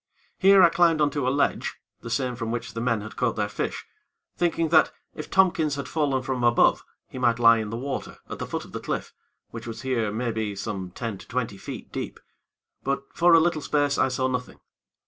Here, I climbed on to a ledge the same from which the men had caught their fish , thinking that, if Tompkins had fallen from above, he might lie in the water at the foot of the cliff, which was here, maybe, some ten to twenty feet deep; but, for a little space, I saw nothing.